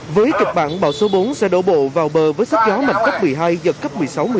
với kịch bản bão số bốn sẽ đổ bộ vào bờ với sức gió mạnh cấp một mươi hai giật cấp một mươi sáu một mươi